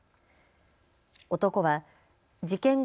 男は事件後